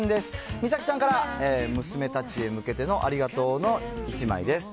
みさきさんから娘たちへ向けてのありがとうの１枚です。